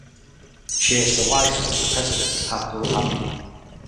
She is the wife of the President Abdul Hamid.